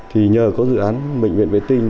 thì nhờ có dự án bệnh viện vệ tinh